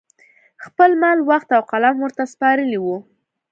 خپل مال، وخت او قلم ورته سپارلي وو